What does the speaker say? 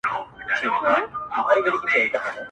خدای چي و کور ته يو عجيبه منظره راوړې,